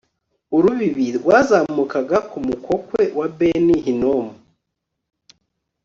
urubibi rwazamukaga ku mukokwe wa beni hinomu